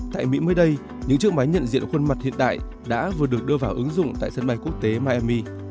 tại mỹ mới đây những chiếc máy nhận diện khuôn mặt hiện đại đã vừa được đưa vào ứng dụng tại sân bay quốc tế miemi